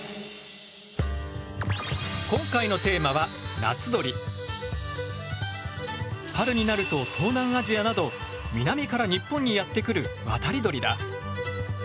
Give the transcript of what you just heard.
今回の春になると東南アジアなど南から日本にやって来る渡り鳥だ。